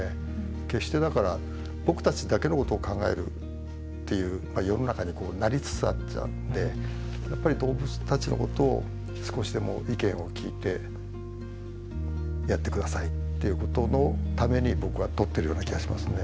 決してだから僕たちだけのことを考えるっていうまあ世の中になりつつあっちゃうんでやっぱり動物たちのことを少しでも意見を聞いてやってくださいっていうことのために僕は撮ってるような気がしますね。